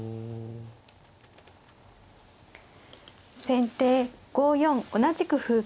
先手５四同じく歩。